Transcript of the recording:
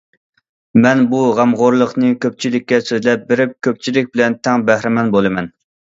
مەن بۇ غەمخورلۇقنى كۆپچىلىككە سۆزلەپ بېرىپ، كۆپچىلىك بىلەن تەڭ بەھرىمەن بولىمەن.